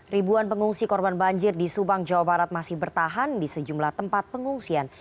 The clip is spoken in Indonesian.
ribuan pengungsi korban banjir di subang jawa barat masih bertahan di sejumlah tempat pengungsian